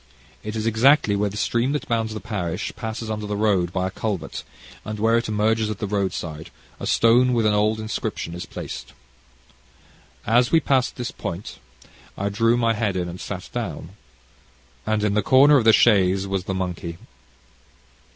It is exactly where the little stream that bounds the parish passes under the road by a culvert, and where it emerges at the road side, a stone with an old inscription is placed. As we passed this point, I drew my head in and sat down, and in the corner of the chaise was the monkey.